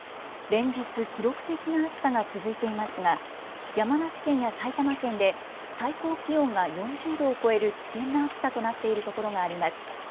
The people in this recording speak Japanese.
連日、記録的な暑さが続いていますが山梨県や埼玉県で最高気温が４０度を超える危険な暑さとなっているところがあります。